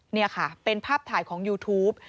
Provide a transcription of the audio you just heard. นี่ค่ะเป็นภาพถ่ายของยูทูป